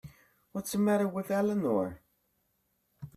What's the matter with Eleanor?